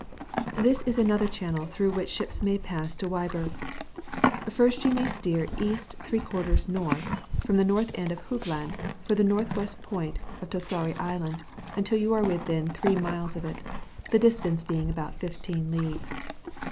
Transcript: — This is another channel through which ships may pass to Wyburg. First you may steer E. f N. from the norUi end of Hoog land for the N.W. point of Torsari Island, until you are within 3 miles of it, the dis tance being about 15 leagues.